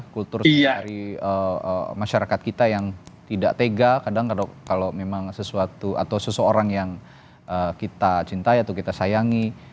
kultur dari masyarakat kita yang tidak tega kadang kalau memang sesuatu atau seseorang yang kita cintai atau kita sayangi